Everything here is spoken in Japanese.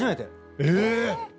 え！